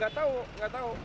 gak tau gak tau